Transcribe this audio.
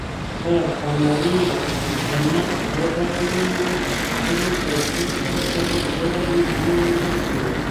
که قمرۍ همت وبایلي، نو خپلو بچو ته به ځالۍ جوړه نه کړي.